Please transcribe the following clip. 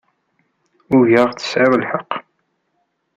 Ugaɣ tesɛid lḥeqq.